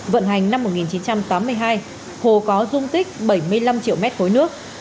vận hành năm một nghìn chín trăm tám mươi hai hồ có dung tích bảy mươi năm triệu m ba nước